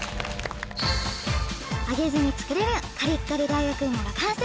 揚げずに作れるカリカリ大学芋が完成